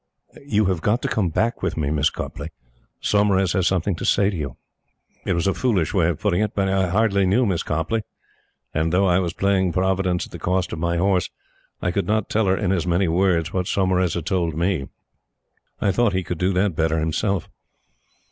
"You have got to come back with me, Miss Copleigh. Saumarez has something to say to you." It was a foolish way of putting it; but I hardly knew Miss Copleigh; and, though I was playing Providence at the cost of my horse, I could not tell her in as many words what Saumarez had told me. I thought he could do that better himself.